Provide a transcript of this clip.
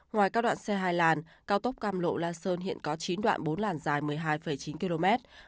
ngoài các đoạn xe hai làn cao tốc cam lộ la sơn hiện có chín đoạn bốn làn dài một mươi hai chín km